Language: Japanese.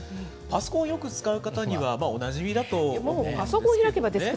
パソコンをよく使う方にはおなじみだと思いますけれども。